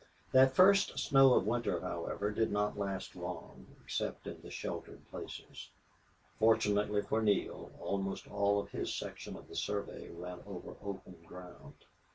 That first snow of winter, however, did not last long, except in the sheltered places. Fortunately for Neale, almost all of his section of the survey ran over open ground.